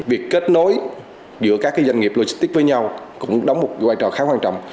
việc kết nối giữa các doanh nghiệp logistics với nhau cũng đóng một quan trọng khá quan trọng